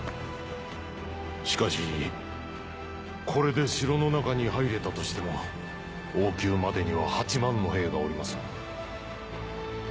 しかしこれで城の中に入れたとしても王宮までには８万の兵がおります。